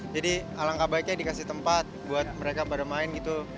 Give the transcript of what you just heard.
jadi alangkah baiknya dikasih tempat buat mereka bareng main gitu